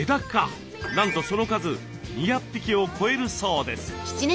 なんとその数２００匹を超えるそうです。